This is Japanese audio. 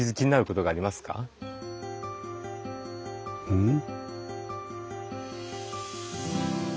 うん？